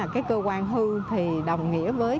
cái cơ quan hư thì đồng nghĩa với